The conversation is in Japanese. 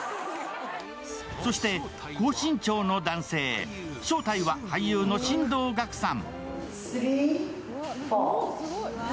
そして高身長の男性、正体は俳優の進藤学さん。